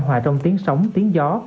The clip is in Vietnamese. hòa trong tiếng sóng tiếng gió